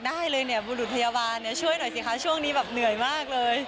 ได้เลยเนี่ยบุรุษพยาบาลช่วยหน่อยสิคะช่วงนี้แบบเหนื่อยมากเลย